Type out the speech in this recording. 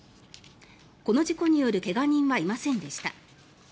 この事故による怪我人はいませんでした。